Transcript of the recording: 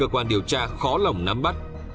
cơ quan điều tra khó lòng nắm bắt